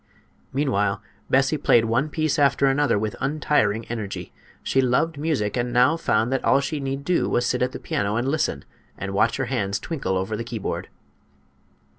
Meanwhile Bessie played one piece after another with untiring energy. She loved music, and now found that all she need do was to sit at the piano and listen and watch her hands twinkle over the keyboard.